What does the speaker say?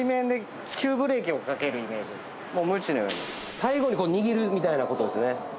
最後に握るみたいなことですね。